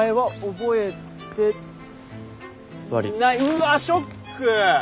うわショック。